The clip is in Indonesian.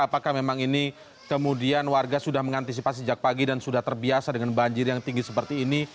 apakah memang ini kemudian warga sudah mengantisipasi sejak pagi dan sudah terbiasa dengan banjir yang tinggi seperti ini